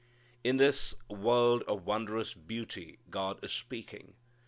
In this world of wondrous beauty God is speaking.